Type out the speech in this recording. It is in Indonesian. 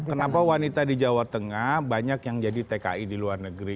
kenapa wanita di jawa tengah banyak yang jadi tki di luar negeri